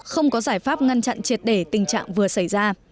không có giải pháp ngăn chặn triệt để tình trạng vừa xảy ra